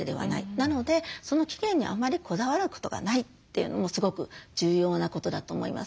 なのでその期限にあまりこだわることがないというのもすごく重要なことだと思います。